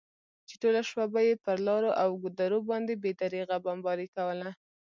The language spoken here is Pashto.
چې ټوله شپه به یې پر لارو او ګودرو باندې بې درېغه بمباري کوله.